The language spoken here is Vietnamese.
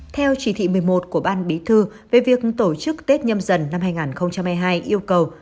theo chỉ thị một mươi một của ban bí thư về việc tổ chức tết nhâm dần năm hai nghìn hai mươi hai yêu cầu